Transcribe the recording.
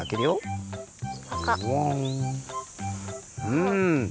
うん！